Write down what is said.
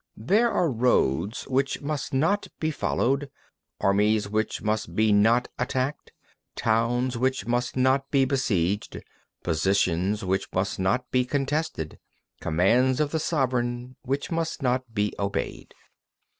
3. There are roads which must not be followed, armies which must be not attacked, towns which must not be besieged, positions which must not be contested, commands of the sovereign which must not be obeyed.